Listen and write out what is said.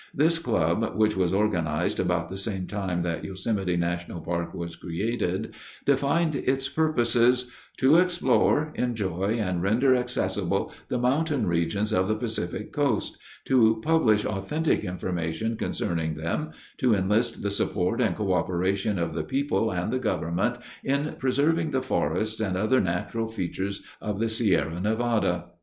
This club, which was organized about the same time that Yosemite National Park was created, defined its purposes: "To explore, enjoy, and render accessible the mountain regions of the Pacific Coast; to publish authentic information concerning them; to enlist the support and coöperation of the people and the Government in preserving the forests and other natural features of the Sierra Nevada."